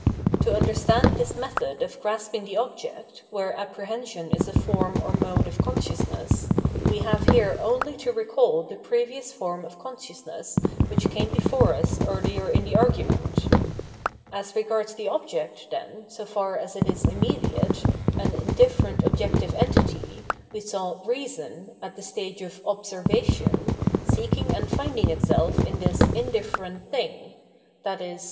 To understand this method of grasping the object, where apprehension is a form or mode of consciousness, we have here only to recall the previous forms of con sciousness which came before us earher in the argument. As regards the object, then, so far as it is immediate, an indifferent objective entity, we saw Reason, at the stage of "Observation," seeking and finding itself in 803 Absolute Knowledge ttis indifferent thing — ^i.e.